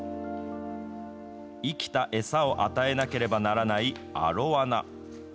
生きた餌を与えなければならないアロワナ。